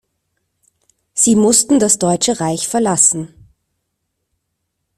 Sie mussten das Deutsche Reich verlassen.